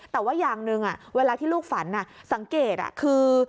แต่ว่าอย่างหนึ่งเวลาที่ลูกฝันสังเกตคือ